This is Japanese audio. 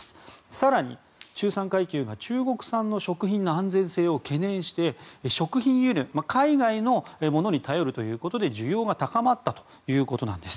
更に、中産階級が中国産の食品の安全性を懸念して食品輸入、海外のものに頼るということで需要が高まったということです。